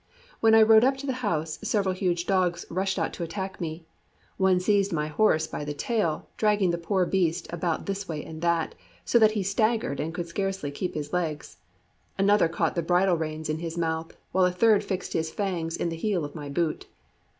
When I rode up to the house, several huge dogs rushed out to attack me: one seized my horse by the tail, dragging the poor beast about this way and that, so that he staggered and could scarcely keep his legs; another caught the bridle reins in his mouth; while a third fixed his fangs in the heel of my boot.